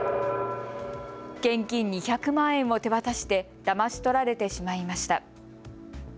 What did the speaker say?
現金２００万円を手渡してだまし取られてしまいました。